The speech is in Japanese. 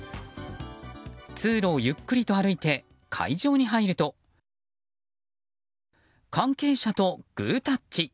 通路をゆっくりと歩いて会場に入ると関係者とグータッチ。